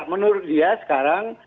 menurut dia sekarang